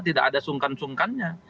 tidak ada sungkan sungkannya